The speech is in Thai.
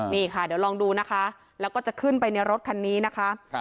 นี่ค่ะเดี๋ยวลองดูนะคะแล้วก็จะขึ้นไปในรถคันนี้นะคะ